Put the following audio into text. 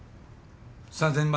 ３，０００万